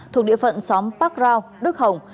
thuộc địa phận xóm park rao đức hồng